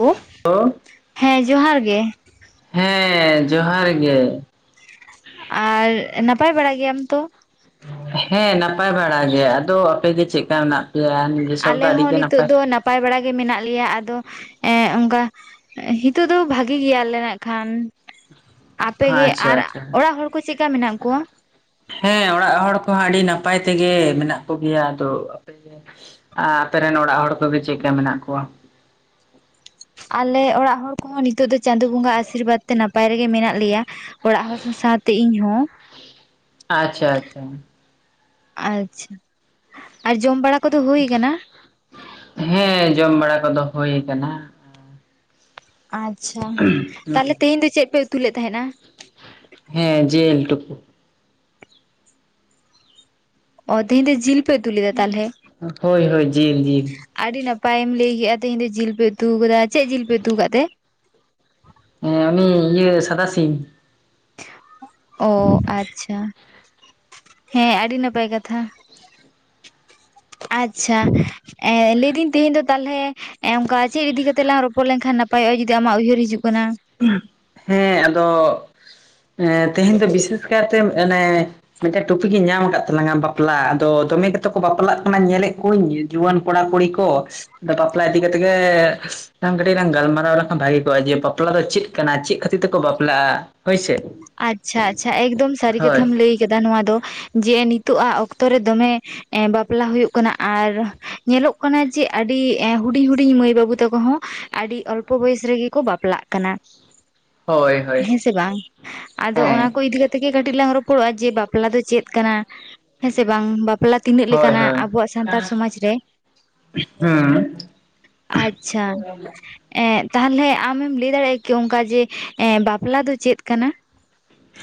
Hello ᱦᱮᱸ ᱡᱚᱦᱟᱸᱨ ᱜᱮ ᱦᱮᱸ ᱡᱚᱦᱟᱸᱨ ᱜᱮ ᱟᱨ ᱱᱟᱯᱟᱭ ᱵᱟᱲᱟ ᱜᱮᱭᱟᱢ ᱛᱚ ᱦᱮᱸ ᱱᱟᱯᱟᱭ ᱵᱟᱲᱟ ᱜᱮ ᱟᱫᱚ ᱟᱯᱮᱜᱮ ᱪᱮᱫᱠᱟ ᱢᱮᱱᱟᱜ ᱯᱮᱭᱟ ᱱᱤᱡᱮ ᱥᱚᱵ ᱟᱞᱮ ᱫᱚ ᱟᱹᱰᱤ ᱦᱚᱸ ᱜᱮ ᱱᱤᱛᱚᱜ ᱫᱚ ᱱᱟᱯᱟᱭ ᱵᱟᱲᱟ ᱜᱮ ᱢᱮᱱᱟᱜ ᱞᱮᱭᱟ ᱟᱫᱚ ᱮᱸᱜ ᱚᱱᱠᱟ ᱱᱤᱛᱚᱜ ᱫᱚ ᱵᱷᱟᱜᱤ ᱜᱮᱭᱟᱞᱮ ᱮᱱ ᱠᱷᱟᱱ ᱟᱯᱮᱜᱮ ᱟᱪᱪᱷᱟ ᱟᱨ ᱟᱪᱪᱷᱟ ᱚᱲᱟᱜ ᱦᱚᱲ ᱠᱚ ᱪᱮᱫ ᱠᱟ ᱢᱮᱱᱟᱜ ᱠᱚᱣᱟ ᱦᱚᱸ ᱟᱹᱰᱤ ᱱᱟᱯᱟᱭ ᱛᱮᱜᱮ ᱢᱮᱱᱟᱜ ᱠᱚ ᱜᱮᱭᱟ ᱟᱫᱚ ᱟᱯᱮᱜᱮ ᱟᱯᱮᱨᱮᱱ ᱚᱲᱟᱜ ᱦᱚᱲ ᱠᱚᱜᱮ ᱪᱮᱫᱠᱟ ᱢᱮᱱᱟᱜ ᱠᱚᱣᱟ [inaudible] ᱟᱞᱮ ᱚᱲᱟᱜ ᱦᱚᱲ ᱠᱚᱦᱚ ᱱᱤᱛᱚᱜ ᱫᱚ ᱪᱟᱸᱫᱳ ᱵᱚᱸᱜᱟ ᱟᱥᱤᱨᱵᱟᱫᱽᱛᱮ ᱱᱟᱯ ᱱᱟᱯᱟᱭ ᱨᱮᱜᱮ ᱢᱮᱱᱟᱜ ᱞᱮᱭᱟ ᱚᱲᱟᱜ ᱦᱚᱲ ᱥᱟᱶᱛᱮ ᱤᱧ ᱦᱚᱸ ᱟᱪᱷᱟ ᱟᱪᱷᱟ ᱟᱪᱷ ᱟᱨ ᱡᱚᱢ ᱵᱟᱲᱟ ᱠᱚᱫᱚ ᱦᱩᱭ ᱟᱠᱟᱱᱟ ᱦᱮᱸ ᱡᱚᱢ ᱵᱟᱲᱟ ᱠᱚ ᱫᱚ ᱦᱳᱭ ᱟᱠᱟᱱᱟ ᱟᱪᱷᱟ ᱛᱟᱦᱞᱮ ᱛᱮᱦᱮᱧ ᱫᱚ ᱪᱮᱫ ᱯᱮ ᱩᱛᱩ ᱞᱮᱫ ᱛᱟᱦᱮᱸᱫ ᱟ ᱦᱮᱸ ᱡᱮᱞ ᱴᱩᱠᱩ ᱚ ᱛᱮᱦᱮᱧ ᱫᱚ ᱡᱤᱞ ᱯᱮ ᱩᱛᱩ ᱞᱮᱫᱟ ᱛᱟᱦᱞᱮ ᱦᱳᱭ ᱦᱳᱭ ᱡᱤᱞ ᱡᱤᱞ ᱟᱹᱰᱤ ᱱᱟᱯ ᱱᱟᱯᱟᱭᱮᱢ ᱞᱟᱹᱭ ᱠᱮᱫᱟ ᱛᱮᱦᱮᱧ ᱫᱚ ᱡᱤᱞ ᱯᱮ ᱩᱛᱩ ᱠᱟᱫᱟ ᱪᱮᱫ ᱡᱤᱞ ᱯᱮ ᱩᱛᱩ ᱟᱠᱟᱫ ᱛᱮ ᱦᱮᱸ ᱩᱱᱤ ᱤᱭᱟᱹ ᱥᱟᱫᱟ ᱥᱤ ᱚ ᱟᱪᱪᱷᱟ ᱦᱮᱸ ᱟᱹᱰᱤ ᱱᱟᱯᱟᱭ ᱠᱟᱛᱷᱟ ᱟᱪᱷᱟ ᱮ ᱞᱟᱹᱭᱫᱟᱹᱧ ᱛᱮᱦᱮᱧ ᱫᱚ ᱛᱟᱦᱞᱮ ᱚᱱᱠᱟ ᱪᱮᱫ ᱤᱫᱤ ᱠᱟᱛᱮᱜ ᱞᱟᱝ ᱨᱚᱯᱚᱲ ᱞᱮᱱᱠᱷᱟᱱ ᱱᱟᱯᱟᱭᱚᱜᱼᱟ ᱡᱩᱫᱤ ᱟᱢᱟᱜ ᱩᱭᱦᱟᱹᱨ ᱦᱤᱡᱩᱜ ᱠᱟᱱᱟ [unintelligible] ᱦᱮᱸ ᱟᱫᱚ [inaudible] ᱛᱮᱦᱮᱧ ᱫᱚ ᱵᱤᱥᱮᱥ ᱠᱟᱭ ᱛᱮ ᱢᱟᱱᱮ ᱢᱤᱫᱴᱮᱱ ᱴᱚᱯᱤᱠᱤᱧ ᱧᱟᱢ ᱟᱠᱟᱫ ᱛᱟᱞᱟᱝᱼᱟ ᱵᱟᱯᱞᱟ ᱟᱫᱚ ᱫᱚᱢᱮ ᱤ ᱠᱟᱛᱮ ᱠᱚ ᱵᱟᱯᱞᱟᱜ ᱠᱟᱱᱟ ᱧᱮᱞᱮᱫ ᱠᱚᱣᱟᱧ ᱡᱩᱣᱟᱹᱱ ᱠᱚᱲᱟ ᱠᱩᱲᱤ ᱠᱚ, ᱟ ᱵᱟᱯᱞᱟ ᱤᱫᱤ ᱠᱟᱛᱮ ᱜᱮ ᱟ ᱠᱟᱹᱴᱤᱡ ᱞᱟᱝ ᱜᱟᱞᱢᱟᱨᱟᱣ ᱞᱮᱠᱷᱟᱱ ᱵᱷᱟᱜᱤ ᱠᱚᱜᱼᱟ ᱡᱮ ᱵᱟᱯᱞᱟ ᱫᱚ ᱪᱮᱫ ᱠᱟᱱᱟ ᱪᱮᱫ ᱠᱷᱟᱹᱛᱤᱨ ᱛᱮᱠᱚ ᱵᱟᱯᱞᱟᱜᱼᱟ ᱦᱳᱭ ᱥᱮ ᱟᱪᱪᱷᱟ ᱟᱪᱪᱷᱟ ᱮᱠᱫᱚᱢ ᱥᱟᱹᱨᱤ ᱦᱳᱭ ᱠᱟᱛᱷᱟᱢ ᱞᱟᱹᱭ ᱟᱠᱟᱫᱟ ᱱᱚᱣᱟ ᱫᱚ ᱾ ᱡᱮ ᱱᱤᱛᱚᱜᱟᱜ ᱚᱠᱛᱚ ᱨᱮ ᱫᱚᱢᱮ ᱵᱟᱯᱞᱟ ᱦᱩᱭᱩᱜ ᱠᱟᱱᱟ ᱟᱨ ᱧᱮᱞᱚᱜ ᱠᱟᱱᱟ ᱡᱮ ᱟᱹᱰᱤ ᱟᱹᱰᱤ ᱦᱩᱰᱤᱧ ᱦᱩᱰᱤᱧ ᱢᱟᱹᱭ ᱵᱟᱹᱵᱩ ᱛᱟᱠᱚ ᱦᱚᱸ ᱾ ᱟᱹᱰᱤ ᱚᱞᱯᱚ ᱵᱚᱭᱚᱥ ᱨᱮᱜᱮ ᱠᱚ ᱵᱟᱯᱞᱟᱜ ᱠᱟᱱᱟ ᱾ ᱦᱳᱭ ᱦᱳᱭ ᱦᱮᱸᱥᱮ ᱵᱟᱝ ᱟᱫᱚ ᱚᱱᱟ ᱦᱮᱸ ᱠᱚ ᱤᱫᱤ ᱠᱟᱛᱮ ᱠᱟᱹᱴᱤᱡ ᱞᱟᱝ ᱨᱚᱯᱚᱲᱚᱜᱼᱟ ᱡᱮ ᱵᱟᱯᱞᱟ ᱫᱚ ᱪᱮᱫ ᱠᱟᱱᱟ ᱦᱮᱸᱥᱮ ᱵᱟᱝ ᱵᱟᱯᱞᱟ ᱛᱤᱱᱟᱹᱜ ᱦᱳᱭ ᱞᱮᱠᱟᱱᱟᱜ ᱦᱳᱭ ᱟᱵᱚᱣᱟᱜ ᱥᱟᱱᱛᱟᱲ ᱥᱚᱢᱟᱡᱽ ᱨᱮ? ᱦᱩᱸ ᱟᱪᱪᱷᱟ ᱮᱸ, ᱛᱟᱦᱞᱮ ᱟᱢᱮᱢ ᱞᱟᱹᱭ ᱫᱟᱲᱮᱭᱟᱜᱼᱟ ᱠᱤ ᱚᱱᱠᱟ ᱡᱮ ᱮ ᱵᱟᱯᱞᱟ ᱫᱚ ᱪᱮᱫ ᱠᱟᱱᱟ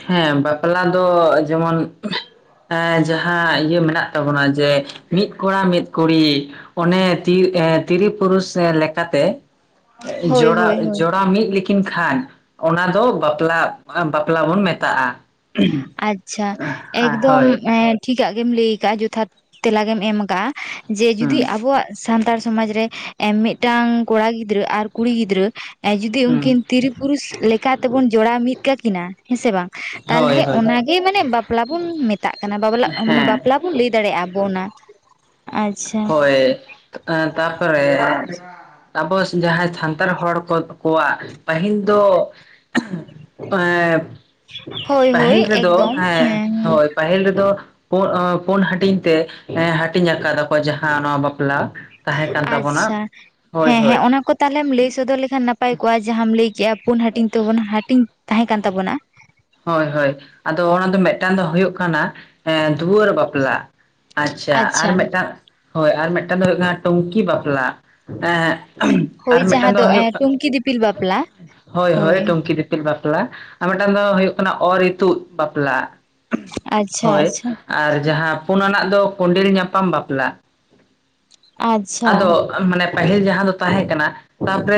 ᱦᱮᱸ ᱵᱟᱯᱞᱟ ᱫᱚ ᱡᱮᱢᱚᱱ ᱡᱟᱦᱟᱸ ᱤᱭᱟᱹ ᱢᱮᱱᱟᱜ ᱛᱟᱵᱚᱱᱟ ᱡᱮ ᱢᱤᱫ ᱠᱚᱲᱟ ᱢᱤᱫ ᱠᱩᱲᱤ ᱚᱱᱮ ᱛᱤ ᱛᱤᱨᱤ ᱯᱩᱨᱩᱥ ᱞᱮᱠᱟ ᱛᱮ ᱦᱳᱭ ᱡᱚᱲᱟ ᱦᱳᱭ ᱦᱳᱭ ᱡᱚᱲᱟᱣ ᱢᱤᱫ ᱞᱮᱠᱤᱱ ᱠᱷᱟᱱ ᱚᱱᱟ ᱫᱚ ᱵᱟᱯᱞᱟ ᱵᱟᱯᱞᱟ ᱵᱚᱱ ᱢᱮᱛᱟᱜᱼᱟ ᱟᱪᱪᱷᱟ ᱮᱠᱫᱚᱢ ᱦᱳᱭ ᱴᱷᱤᱠᱟᱜ ᱜᱮᱢ ᱞᱟᱹᱭ ᱟᱠᱟᱟᱜᱼᱟ ᱡᱚᱛᱷᱟᱛ ᱛᱮᱞᱟ ᱜᱮᱢ ᱮᱢ ᱠᱟᱜᱼᱟ ᱡᱮ ᱦᱩᱸ ᱡᱩᱫᱤ ᱟᱵᱚᱣᱟᱜ ᱥᱟᱱᱛᱟᱲ ᱥᱚᱢᱟᱡᱽ ᱨᱮ ᱢᱤᱫᱴᱟᱝ ᱠᱚᱲᱟ ᱜᱤᱫᱽᱨᱟᱹ ᱟᱨ ᱠᱩᱲᱤ ᱜᱤᱫᱽᱨᱟᱹ ᱡᱩᱫᱤ ᱩᱱᱠᱤᱱ ᱦᱩᱸ ᱛᱤᱨᱤ ᱯᱩᱨᱩᱥ ᱞᱮᱠᱟ ᱛᱮᱵᱚᱱ ᱡᱚᱲᱟᱣ ᱢᱤᱫ ᱠᱟᱠᱤᱱᱟ ᱦᱮᱸᱥᱮ ᱵᱟᱝ ᱦᱳᱭ ᱛᱟᱦᱚᱞᱮ ᱦᱳᱭ ᱚᱱᱟ ᱜᱮ ᱢᱟᱱᱮ ᱵᱟᱯᱞᱟ ᱵᱚᱱ ᱢᱮᱛᱟᱜ ᱠᱟᱱᱟ ᱵᱟᱵᱞᱟ ᱦᱮᱸ ᱵᱟᱯᱞᱟ ᱵᱚᱱ ᱞᱟᱹᱭ ᱫᱟᱲᱮᱭᱟᱜᱼᱟ ᱟᱵᱚ ᱚᱱᱟ ᱟᱪᱪᱷᱟ ᱛᱟ ᱯᱚᱨᱮ ᱟᱵᱚ ᱡᱟᱦᱟᱸᱭ ᱥᱟᱱᱛᱟᱲ ᱦᱚᱲ ᱠᱚ ᱠᱚᱣᱟᱜ ᱯᱟᱦᱤᱞ ᱫᱚ ᱮᱸᱻ ᱦᱳᱭ ᱦᱳᱭ ᱯᱟᱹᱦᱤᱞ ᱨᱮᱫᱚ ᱮᱠᱫᱚᱢ ᱦᱮᱸ ᱦᱳᱭ ᱯᱟᱹᱦᱤᱞ ᱨᱮᱫᱚ ᱯᱩ ᱯᱩᱱ ᱦᱟᱹᱴᱤᱧ ᱛᱮ ᱦᱟᱹᱴᱤᱧ ᱟᱠᱟᱫᱟ ᱠᱚ ᱡᱟᱦᱟᱸ ᱱᱚᱣᱟ ᱵᱟᱯᱞᱟ ᱛᱟᱦᱮᱸ ᱠᱟᱱ ᱛᱟᱵᱚᱱᱟ ᱟᱪᱪᱷᱟ ᱦᱳᱭ ᱦᱮᱸ ᱦᱳᱭ ᱦᱮᱸ ᱚᱱᱟ ᱠᱚ ᱛᱟᱞᱦᱮᱢ ᱞᱟᱹᱭ ᱥᱚᱫᱚᱨ ᱞᱮᱠᱷᱟᱱ ᱱᱟᱯᱟᱭ ᱠᱚᱜᱼᱟ ᱡᱟᱦᱟᱸᱟᱢ ᱞᱟᱹᱭ ᱯᱩᱱ ᱦᱟᱹᱴᱤᱧ ᱛᱟᱵᱚ ᱦᱟᱹᱴᱤᱧ ᱛᱟᱦᱮᱸ ᱠᱟᱱ ᱛᱟᱵᱚᱱᱟ ᱦᱳᱭ ᱦᱳᱭ ᱟᱫᱚ ᱚᱱᱟ ᱫᱚ ᱢᱤᱫᱴᱟᱝ ᱫᱚ ᱦᱩᱭᱩᱜ ᱠᱟᱱᱟ ᱫᱩᱣᱟᱹᱨ ᱵᱟᱯᱞᱟ ᱟᱪᱪᱷᱟ ᱟᱨ ᱢᱤᱫᱴᱟᱝ ᱦᱳᱭ ᱟᱨ ᱢᱤᱫᱴᱟᱝ ᱫᱚ ᱦᱩᱭᱩᱜ ᱠᱟᱱᱟ ᱴᱩᱝᱠᱤ ᱵᱟᱯᱞᱟ ᱮᱸ ᱦᱳᱭ ᱟᱨ ᱡᱟᱦᱟᱸ ᱢᱤᱫᱴᱟᱝ ᱫᱚ ᱮᱸ ᱦᱩᱭᱩᱜ ᱴᱩᱝᱠᱤ ᱫᱤᱯᱤᱞ ᱵᱟᱯᱞᱟ ᱦᱳᱭ ᱦᱳᱭ ᱴᱩᱝᱠᱤ ᱫᱤᱯᱤᱞ ᱵᱟᱯᱞᱟ ᱵᱟᱯᱞᱟ ᱟᱨ ᱢᱤᱫᱴᱟᱝ ᱫᱚ ᱦᱩᱭᱩᱜ ᱠᱟᱱᱟ ᱚᱨ ᱤᱛᱩᱫ ᱵᱟᱯᱞᱟ ᱟᱪᱪᱷᱟ ᱦᱳᱭ ᱟᱪᱪᱷᱟ ᱟᱨ ᱡᱟᱦᱟᱸ ᱯᱩᱱ ᱟᱱᱟᱜ ᱫᱚ ᱠᱚᱸᱰᱮᱞ ᱧᱟᱯᱟᱢ ᱵᱟᱯᱞᱟ ᱟᱪᱪᱷᱟ ᱟᱫᱚ ᱢᱟᱱᱮ ᱯᱟᱹᱦᱤᱞ ᱡᱟᱦᱟᱸ ᱫᱚ ᱛᱟᱦᱮᱸ ᱠᱟᱱᱟ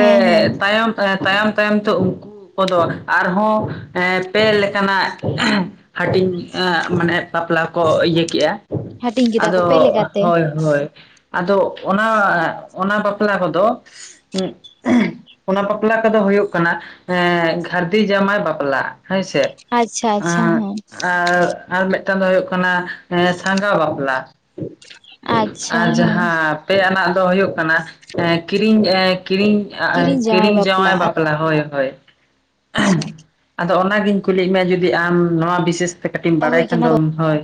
ᱦᱮᱸ ᱦᱮᱸ ᱛᱟᱭᱚᱢ ᱛᱟᱭᱚᱢ ᱛᱟᱭᱚᱢ ᱛᱮ ᱩᱱᱠᱩ ᱠᱚᱫᱚ ᱟᱨᱦᱚᱸ ᱯᱮ ᱞᱮᱠᱟᱱᱟᱜ ᱦᱟᱹᱴᱤᱧ ᱮᱸᱻ ᱢᱟᱱᱮ ᱵᱟᱯᱞᱟ ᱠᱚ ᱤᱭᱟᱹ ᱠᱮᱜᱼᱟ ᱦᱟᱹᱴᱤᱧ ᱠᱮᱫᱟ ᱟᱫᱚ ᱠᱚ ᱯᱮ ᱞᱮᱠᱟᱛᱮ ᱦᱳᱭ ᱦᱳᱭ ᱟᱫᱚ ᱚᱱᱟ ᱚᱱᱟ ᱵᱟᱯᱞᱟ ᱠᱚᱫᱚ ᱚᱱᱟ ᱵᱟᱯᱞᱟ ᱠᱚᱫᱚ ᱦᱩᱭᱩᱜ ᱠᱟᱱᱟ ᱮ ᱜᱷᱟᱹᱨᱫᱤ ᱡᱟᱶᱟᱭ ᱵᱟᱯᱞᱟ ᱦᱚᱭ ᱥᱮ ᱟᱪᱪᱷᱟ ᱟᱪᱪᱷᱟ ᱟ ᱦᱮᱸ ᱟᱨ ᱢᱤᱫ ᱢᱤᱫ ᱴᱟᱝ ᱫᱚ ᱦᱳᱭᱳᱜᱠᱟᱱᱟ ᱮ ᱥᱟᱸᱜᱷᱟ ᱵᱟᱯᱞᱟ ᱟᱪᱪᱷᱟ ᱦᱮᱸ ᱢᱤᱫ ᱴᱟᱱᱟᱜ ᱫᱚ ᱦᱩᱭᱩᱜ ᱠᱟᱱᱟ ᱠᱤᱨᱤᱧ ᱠᱤᱨᱤᱧ ᱠᱤᱨᱤᱧ ᱡᱟᱶᱟᱭ ᱵᱟᱯᱞᱟ ᱦᱳᱭ ᱦᱳᱭ ᱟᱪᱪᱷᱟ ᱟᱫᱚ ᱚᱱᱟ ᱜᱤᱧ ᱠᱩᱞᱤ ᱮᱫ ᱢᱮᱭᱟ ᱡᱩᱫᱤ ᱟᱢ ᱱᱚᱣᱟ ᱵᱤᱥᱮᱥ ᱠᱟᱹᱴᱤᱡ ᱮᱢ ᱵᱟᱲᱟᱭ ᱦᱩᱭ ᱠᱷᱟᱱ ᱠᱟᱱᱟ ᱫᱚ ᱦᱳᱭ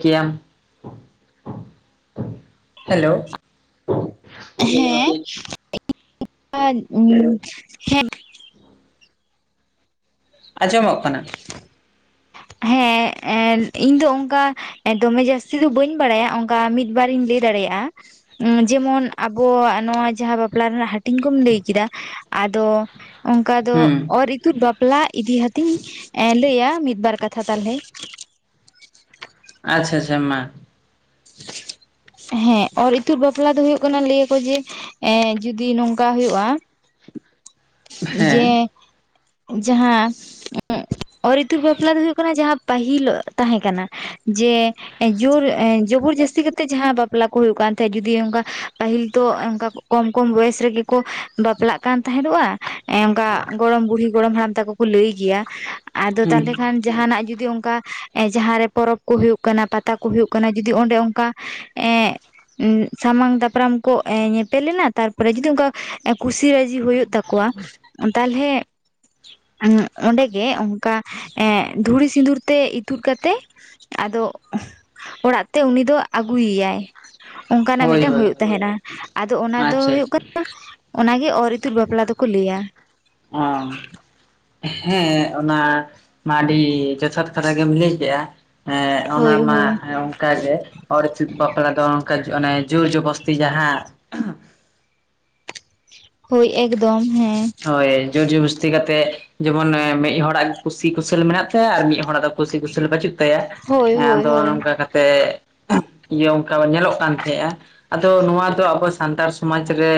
ᱠᱮᱭᱟᱢ ᱦᱮᱞᱳ ᱦᱳᱭ ᱦᱮᱸ [unintelligible] ᱦᱮᱸ ᱟᱸᱡᱚᱢᱚᱜ ᱠᱟᱱᱟ ᱦᱮᱸ ᱮᱜ ᱤᱧ ᱫᱚ ᱚᱱᱠᱟ ᱫᱚᱢᱮ ᱡᱟᱹᱥᱛᱤ ᱫᱚ ᱵᱟᱹᱧ ᱵᱟᱲᱟᱭᱟ ᱚᱱᱠᱟ ᱢᱤᱫ ᱵᱟᱨᱤᱧ ᱞᱟᱹᱭ ᱫᱟᱲᱮᱭᱟᱜᱼᱟ ᱡᱮᱢᱚᱱ ᱟᱵᱚᱣᱟᱜ ᱱᱚᱣᱟ ᱡᱟᱦᱟᱸ ᱵᱟᱯᱞᱟ ᱨᱮᱱᱟᱜ ᱦᱟᱹᱴᱤᱧ ᱠᱚᱢ ᱞᱟᱹᱭ ᱠᱮᱫᱟ ᱟᱫᱚ ᱚᱱᱠᱟ ᱫᱚ ᱦᱩᱸ ᱚᱨ ᱤᱠᱩᱫ ᱵᱟᱯᱞᱟ ᱤᱫᱤ ᱦᱟᱛᱤᱧ ᱞᱟᱹᱭᱟ ᱢᱤᱫ ᱵᱟᱨ ᱠᱟᱛᱷᱟ ᱛᱟᱦᱚᱞᱮ ᱟᱪᱪᱷᱟ ᱟᱪᱪᱷᱟ ᱢᱟ [unintelligible] ᱦᱮᱸ ᱚᱨ ᱤᱛᱩᱫ ᱵᱟᱯᱞᱟ ᱫᱚ ᱦᱩᱭᱩᱜ ᱠᱟᱱᱟ ᱞᱟᱹᱭᱟ ᱠᱚ ᱡᱮ ᱮ ᱡᱚᱫᱤ ᱱᱚᱝᱠᱟ ᱦᱩᱭᱩᱜᱼᱟ ᱡᱮ ᱦᱮᱸ ᱡᱟᱦᱟᱸ ᱚᱨ ᱤᱛᱩᱛ ᱵᱟᱯᱞᱟ ᱫᱚ ᱦᱩᱭᱩᱜ ᱠᱟᱱᱟ ᱡᱟᱦᱟᱸ ᱯᱟᱹᱦᱤᱞ ᱛᱟᱦᱮᱸ ᱠᱟᱱᱟ ᱡᱮ ᱡᱳᱨ [unintelligible] ᱩᱚᱨ ᱡᱟᱹᱥᱛᱤ ᱠᱟᱛᱮᱫ ᱡᱟᱦᱟᱸ ᱵᱟᱯᱞᱟ ᱠᱚ ᱦᱩᱭᱩᱜ ᱠᱟᱱ ᱛᱟᱦᱮᱸᱫ ᱡᱩᱫᱤ ᱚᱱᱠᱟ ᱯᱟᱹᱦᱤᱞ ᱛᱚ ᱚᱱᱠᱟ ᱠᱚᱢ ᱠᱚᱢ ᱵᱚᱭᱮᱥ ᱨᱮᱜᱮ ᱠᱚ ᱵᱟᱯᱞᱟᱜ ᱠᱟᱱ ᱛᱟᱦᱮᱸᱫᱚᱜᱼᱟ ᱚᱱᱠᱟ ᱜᱚᱲᱚᱢ ᱵᱩᱲᱦᱤ ᱜᱚᱲᱚᱢ ᱦᱟᱲᱟᱢ ᱛᱟᱠᱚ ᱠᱚ ᱞᱟᱹᱭ ᱜᱮᱭᱟ ᱟᱫᱚ ᱛᱟᱦᱚ ᱞᱮ ᱦᱩᱸ ᱠᱷᱟᱱ ᱡᱟᱦᱟ ᱱᱟᱜ ᱡᱩᱫᱤ ᱡᱩᱫᱤ ᱚᱱᱠᱟ ᱡᱟᱦᱟᱸᱨᱮ ᱯᱚᱨᱚᱵᱽ ᱠᱚ ᱦᱩᱭᱩᱜ ᱠᱟᱱᱟ ᱯᱟᱛᱟ ᱠᱚ ᱦᱩᱭᱩᱜ ᱠᱟᱱᱟ ᱡᱚᱫᱤ ᱚᱱᱰᱮ ᱚᱱᱠᱟ ᱮᱸᱜ ᱥᱟᱢᱟᱝ ᱫᱟᱯᱨᱟᱢ ᱠᱚ ᱧᱮᱯᱮᱞᱮᱱᱟ ᱛᱟᱨ ᱯᱚᱨᱮ ᱡᱩᱫᱤ ᱚᱱᱠᱟ ᱠᱩᱥᱤ ᱨᱟᱹᱡᱤ ᱦᱩᱭᱩᱜ ᱛᱟᱠᱚᱣᱟ [inaudible] ᱛᱟᱦᱚᱞᱮ ᱚᱸᱰᱮᱜᱮ ᱚᱱᱠᱟ ᱮᱜ ᱫᱷᱩᱲᱤ ᱥᱤᱸᱫᱩᱨ ᱛᱮ ᱤᱛᱩᱫ ᱠᱟᱛᱮ ᱟᱫᱚ ᱚᱲᱟᱜ ᱛᱮ ᱩᱱᱤ ᱫᱚ ᱟᱹᱜᱩᱭᱮ ᱭᱟᱭ᱾ ᱚᱱᱠᱟ ᱱᱟᱜ ᱦᱳᱭ ᱢᱤᱫᱴ ᱮᱱ ᱦᱳᱭ ᱦᱩᱭᱩᱜ ᱛᱟᱦᱮᱸᱱᱟ ᱟᱫᱚ ᱚᱱᱟ ᱫᱚ ᱟᱪᱪᱷᱟ ᱦᱩᱭᱩᱜ ᱟᱪᱪᱷᱟ ᱠᱟᱱᱟ ᱚᱱᱟ ᱜᱮ ᱚᱨ ᱤᱛᱩᱫ ᱵᱟᱯᱞᱟ ᱫᱚ ᱠᱩ ᱞᱤᱭᱟ ᱚ ᱦᱮᱸ ᱚᱱᱟ ᱢᱟ ᱟᱹᱰᱤ ᱡᱚᱛᱷᱟᱛ ᱠᱟᱛᱷᱟ ᱜᱮᱢ ᱞᱮᱭ ᱠᱮᱜ-ᱟ ᱦᱮᱸ ᱚᱱᱟ ᱦᱳᱭ ᱢᱟ ᱦᱳᱭ ᱚᱱ ᱠᱟᱜᱮ ᱚᱨ ᱤᱛᱩᱫ ᱵᱟᱯᱞᱟ ᱫᱚ ᱚᱱᱠᱟ ᱚᱱᱮ ᱡᱳᱨ ᱵᱚᱥᱛᱤ ᱡᱟᱦᱟᱸ ᱦᱳᱭ ᱮᱠᱫᱚᱢ ᱦᱮᱸ ᱦᱳᱭ ᱡᱳᱨᱡᱵᱚᱥᱛᱤ ᱠᱟᱛᱮᱫ ᱡᱮᱢᱚᱱ ᱢᱤᱫ ᱦᱚᱲᱟᱜ ᱠᱩᱥᱤ ᱠᱩᱥᱟᱹᱞ ᱢᱮᱱᱟᱜ ᱛᱟᱭᱟ ᱟᱨ ᱢᱤᱫ ᱦᱚᱲᱟᱜ ᱫᱚ ᱠᱩᱥᱤ ᱠᱩᱥᱟᱹᱞ ᱵᱟᱹᱪᱩᱜ ᱛᱟᱭᱟ ᱛᱟᱭᱟ ᱟᱫᱚ ᱱᱚᱝᱠᱟ ᱠᱟᱛᱮ ᱻ [inaudible] ᱤᱭᱟᱹ ᱚᱱᱠᱟ ᱧᱮᱞᱚᱜ ᱠᱟᱱ ᱛᱟᱦᱮᱸᱫᱼᱟ ᱟᱫᱚ ᱱᱚᱣᱟ ᱫᱚ ᱟᱵᱚ ᱥᱟᱱᱛᱟᱲ ᱥᱚᱢᱟᱡᱽ ᱨᱮ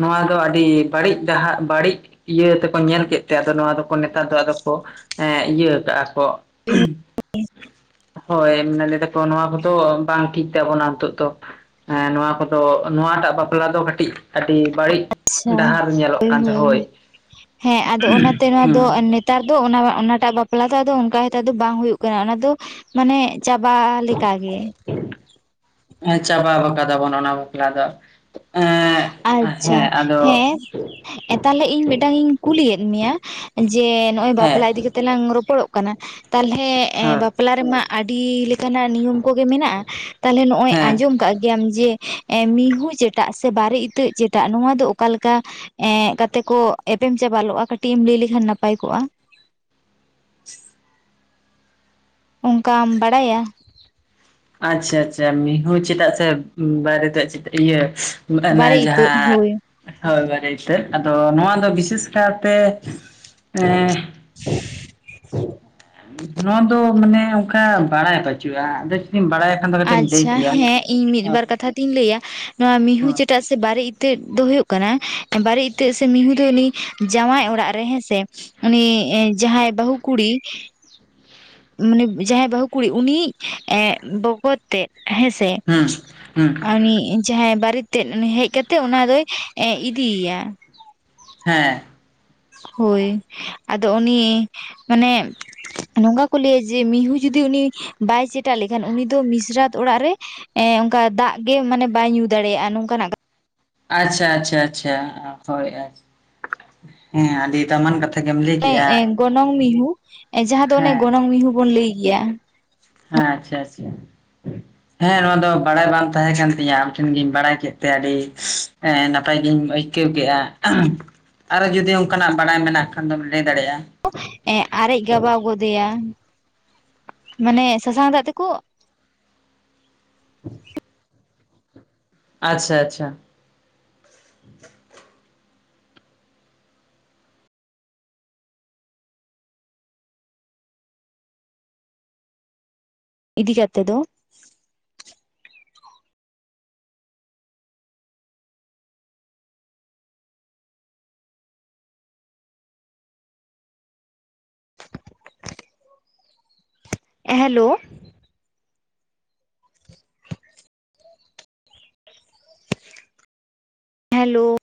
ᱱᱚᱣᱟ ᱫᱚ ᱟᱹᱰᱤ ᱵᱟᱹᱲᱤᱡ ᱰᱟᱦᱟᱜ ᱵᱟᱹᱲᱤᱡ ᱤᱭᱟᱹ ᱛᱮᱠᱚ ᱧᱮᱞ ᱠᱮᱫ ᱛᱮ ᱟᱫᱚ ᱱᱚᱣᱟ ᱫᱚᱠᱚ ᱱᱮᱛᱟᱨ ᱫᱚ ᱟᱫᱚ ᱠᱚ ᱮ ᱤᱭᱟᱹ ᱠᱟᱜᱼᱟ ᱠᱚ ᱦᱳᱭ ᱞᱟᱹᱭ ᱫᱟᱠᱚ ᱱᱚᱣᱟ ᱠᱚᱫᱚ ᱵᱟᱝ ᱴᱷᱤᱠ ᱛᱟᱵᱚᱱᱟ ᱱᱤᱛᱚᱜ ᱫᱚ ᱱᱚᱣᱟ ᱠᱚᱫᱚ ᱱᱚᱣᱟᱴᱟᱜ ᱵᱟᱯᱞᱟ ᱫᱚ ᱠᱟᱹᱴᱤᱡ ᱟᱹᱰᱤ ᱵᱟᱹᱲᱤᱡ ᱟᱪᱪᱷᱟ ᱰᱟᱦᱟᱨ ᱧᱮᱞᱚᱜ ᱦᱳᱭ ᱠᱟᱱ ᱛᱟᱦᱮᱸ ᱦᱳᱭ ᱦᱮᱸ ᱟᱫᱚ ᱚᱱᱟᱛᱮ ᱱᱚᱣᱟ ᱫᱚ ᱦᱩᱸ ᱱᱮᱛᱟᱨ ᱫᱚ ᱚᱱᱟ ᱚᱱᱟᱴᱟᱜ ᱵᱟᱯᱞᱟ ᱛ ᱟᱫᱚ ᱚᱱᱠᱟ ᱱᱮᱛᱟᱜ ᱫᱚ ᱵᱟᱝ ᱦᱳᱭ ᱠᱟᱱᱟ ᱚᱱᱟᱫᱚ ᱢᱟᱱᱮ ᱪᱟᱵᱟ ᱞᱮ ᱞᱮᱠᱟ ᱜᱮ᱾ ᱠᱟᱫᱟᱵᱚᱱ ᱚᱱᱟ ᱵᱟᱯᱞᱟ ᱫᱚ ᱮᱸ ᱟᱪᱪᱷᱟ ᱦᱮᱸ ᱟᱫᱚ ᱦᱮᱸ ᱛᱟᱦᱚᱞᱮ ᱤᱧ ᱢᱤᱫᱴᱟᱝ ᱤᱧ ᱠᱩᱞᱤᱭᱮᱫ ᱢᱮᱭᱟ ᱡᱮ ᱱᱚᱜᱚᱭ ᱦᱮᱸ ᱵᱟᱯᱞᱟ ᱤᱫᱤ ᱠᱟᱛᱮ ᱞᱟᱝ ᱨᱚᱯᱚᱲᱚᱜ ᱠᱟᱱᱟ ᱠᱟᱱᱟ ᱛᱟᱞᱦᱮ ᱦᱳᱭ ᱵᱟᱯᱞᱟ ᱨᱮᱢᱟ ᱟᱹᱰᱤ ᱞᱮᱠᱟᱱᱟᱜ ᱱᱤᱭᱚᱢ ᱠᱚᱜᱮ ᱢᱮᱱᱟᱜᱼᱟ ᱛᱟᱞᱦᱮ ᱱᱚᱜ ᱚᱭ ᱦᱮᱸ ᱟᱸᱡᱚᱢ ᱠᱟᱜ ᱟᱢ ᱡᱮ ᱢᱤᱦᱩ ᱮᱴᱟᱜ ᱥᱮ ᱵᱟᱨᱮ ᱤᱛᱟᱹᱜ ᱡᱮᱴᱟᱜ ᱱᱚᱣᱟ ᱫᱚ ᱚᱠᱟᱞ ᱞᱮᱠᱟ ᱮᱸᱜ ᱠᱟᱛᱮ ᱠᱚ ᱮᱯᱮᱢ ᱪᱟᱯᱟᱞᱚᱜᱼᱟ ᱠᱟᱹᱴᱤᱡ ᱮᱢ ᱞᱟᱹᱭ ᱞᱮᱠᱷᱟᱱ ᱱᱟᱯᱟᱭ ᱠᱚᱜᱼᱟ ᱚᱱᱠᱟᱢ ᱵᱟᱲᱟᱭᱟ? ᱟᱪᱪᱷᱟ ᱟᱪᱪᱷᱟ ᱢᱤᱦᱩ ᱪᱮᱫᱟᱜ ᱥᱮ ᱵᱟᱨᱮᱛᱮ ᱤᱭᱟᱹ ᱢᱟᱱᱮ ᱚᱱᱟ ᱵᱟᱨᱮ ᱤᱛᱟᱹᱫ ᱡᱟᱦᱟᱸ ᱦᱳᱭ ᱦᱳᱭ ᱵᱟᱨᱮᱛ ᱟᱫᱚ ᱱᱚᱣᱟ ᱫᱚ ᱵᱤᱥᱮᱥ ᱠᱟᱨᱛᱮ ᱮ ᱻ [inaudible] ᱱᱚᱣᱟ ᱫᱚ ᱢᱟᱱᱮ ᱚᱱᱠᱟ ᱵᱟᱲᱟᱭ ᱵᱟᱹᱪᱩᱜᱼᱟ ᱟᱫᱚ ᱡᱩᱫᱤᱢ ᱵᱟᱲᱟᱭᱟ ᱟᱪᱪᱷᱟ ᱦᱮᱸ ᱤᱧ ᱢᱤᱫ ᱵᱟᱨ ᱠᱟᱛᱷᱟ ᱛᱤᱧ ᱞᱟᱹᱭᱟ ᱱᱚᱣᱟ ᱢᱤᱦᱩ ᱦᱩᱸ ᱪᱮᱴᱟᱜ ᱥᱮ ᱵᱟᱨᱮ ᱤᱛᱟᱹ ᱫᱚ ᱦᱩᱭᱩᱜ ᱠᱟᱱᱟ ᱵᱟᱨᱮ ᱤᱛᱟᱹᱜ ᱥᱮ ᱢᱤᱦᱩ ᱫᱚ ᱩᱱᱤ ᱡᱟᱶᱟᱭ ᱚᱲᱟᱜ ᱨᱮ ᱦᱮᱸᱥᱮ ᱩᱱᱤ ᱡᱟᱦᱟᱸᱭ ᱵᱟᱹᱦᱩ ᱠᱩᱲᱤ ᱢᱟᱱᱮ ᱡᱟᱦᱟᱸᱭ ᱵᱟᱹᱦᱩ ᱠᱩᱲᱤ ᱩᱱᱤ ᱮ ᱵᱚᱜᱚᱛ ᱛᱮᱫ ᱦᱮᱸ ᱥᱮ ᱦᱩᱸ ᱡᱟᱦᱟᱸᱭ ᱵᱟᱨ ᱛ ᱦᱮᱡ ᱠᱟᱛᱮᱜ ᱚᱱᱟ ᱫᱚᱭ ᱤᱫᱤᱭᱮᱭᱟ᱾ ᱦᱮᱸ ᱦᱳᱭ ᱟᱫᱚ ᱩᱱᱤ ᱢᱟᱱᱮ ᱱᱚᱝᱠᱟ ᱠᱚ ᱞᱟᱹᱭᱟ ᱡᱮ ᱢᱤᱦᱩ ᱡᱩᱫᱤ ᱡᱩᱫᱤ ᱩᱱᱤ ᱵᱟᱭ ᱥᱮᱴᱟᱜ ᱞᱮᱠᱷᱟᱱ ᱩᱱᱤ ᱫᱚ ᱢᱤᱥᱨᱟᱛ ᱚᱲᱟᱜ ᱨᱮ ᱚᱱᱠᱟ ᱫᱟᱜ ᱜᱮ ᱢᱟᱱᱮ ᱵᱟᱭ ᱧᱩ ᱫᱟᱲᱮᱭᱟᱜ ᱫᱟᱲᱮᱭᱟᱜᱼᱟ ᱱᱚᱝᱠᱟᱱᱟᱜ ᱟᱪᱪᱷᱟ ᱟᱪᱪᱷᱟ ᱟᱪᱪᱷᱟ ᱦᱳᱭ ᱟᱪ ᱦᱮᱸ ᱟᱹᱰᱤ ᱫᱟᱢᱟᱱ ᱠᱟᱛᱷᱟ ᱜᱮᱢ ᱞᱟᱹᱭ ᱠᱮᱜᱼᱟ ᱚᱱᱮ ᱦᱮᱸ ᱜᱚᱱᱚᱝ ᱢᱤᱦᱩ ᱡᱟᱦᱟᱸ ᱫᱚ ᱚᱱᱮ ᱜᱚᱱᱚᱝ ᱢᱤᱦᱩ ᱵᱚᱱ ᱞᱟᱹᱭ ᱜᱮᱭᱟ ᱦᱮᱸ ᱟᱪᱪᱷᱟ ᱟᱪᱪᱷᱟ ᱦᱮᱸ ᱱᱚᱣᱟ ᱫᱚ ᱵᱟᱲᱟᱭ ᱵᱟᱝ ᱛᱟᱦᱮᱸ ᱠᱟᱱ ᱛᱤᱧᱟᱹ ᱟᱢ ᱴᱷᱮᱱ ᱜᱤᱧ ᱵᱟᱲᱟᱭ ᱠᱮᱫ ᱛᱮ ᱟᱹᱰᱤ ᱱᱟᱯᱟᱭ ᱱᱟᱯᱟᱭ ᱜᱤᱧ ᱟᱹᱭᱠᱟᱹᱣ ᱠᱮᱫᱼᱟ ᱟᱨᱚ ᱡᱩᱫᱤ ᱚᱱᱠᱟᱱᱟᱜ ᱵᱟᱲᱟᱭ ᱢᱮᱱᱟᱜ ᱠᱷᱟᱱ ᱫᱚ ᱟᱨᱮᱡ ᱜᱟᱵᱟᱣ ᱜᱚᱫᱮᱭᱟ ᱢᱟᱱᱮ ᱥᱟᱥᱟᱝ ᱫᱟᱜ ᱛᱮᱠᱚ ᱻ ᱟᱪᱪᱷᱟ ᱟᱪᱪᱷᱟ ᱤᱫᱤ ᱠᱟᱛᱮ ᱫᱚ ᱦᱮᱞᱳ ᱦᱮᱞᱳ